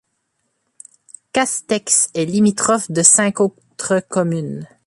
Castex est limitrophe de cinq autres communes.